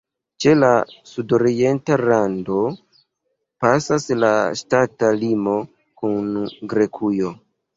Ĉe la sudorienta rando pasas la ŝtata limo kun Grekujo.